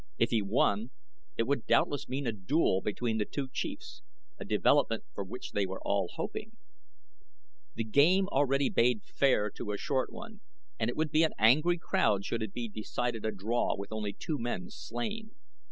If he won, it would doubtless mean a duel between the two Chiefs, a development for which they all were hoping. The game already bade fair to be a short one and it would be an angry crowd should it be decided a draw with only two men slain.